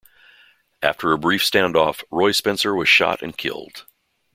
After a brief stand-off Roy Spencer was shot and killed.